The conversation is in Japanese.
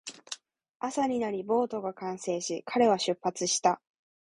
朝になり、ボートが完成し、彼は出発した